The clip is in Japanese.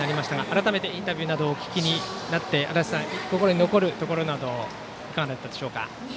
改めてインタビューなどお聞きになって足達さん、心に残るところなどいかがだったでしょうか。